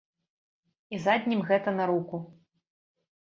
І заднім гэта наруку.